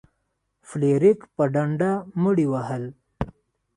فلیریک په ډنډه مړي وهل.